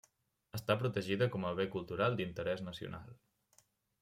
Està protegida com a bé cultural d'interès nacional.